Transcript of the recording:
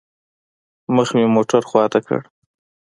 مخ مې موټر خوا ته كړ.